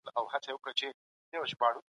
دا کتاب د پوهانو لخوا لیکل سوی دی.